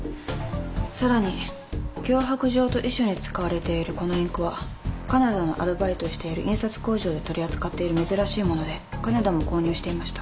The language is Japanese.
さらに脅迫状と遺書に使われているこのインクは金田のアルバイトしている印刷工場で取り扱っている珍しいもので金田も購入していました。